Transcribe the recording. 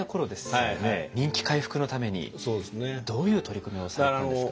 人気回復のためにどういう取り組みをされてたんですか？